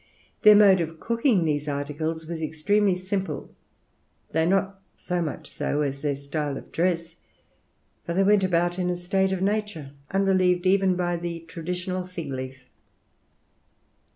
Their mode of cooking these articles was extremely simple, though not so much so as their style of dress, for they went about in a state of nature, unrelieved even by the traditional fig leaf.